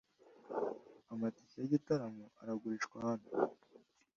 Amatike yigitaramo aragurishwa hano.